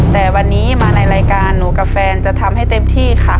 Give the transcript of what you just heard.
แต่วันนี้มาในรายการหนูกับแฟนจะทำให้เต็มที่ค่ะ